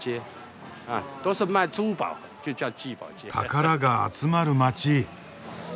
宝が集まる街！